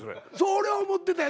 俺は思ってたよ。